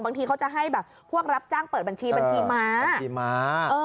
บางทีเขาจะให้พวกรับจ้างเปิดบัญชีบัญชีม้า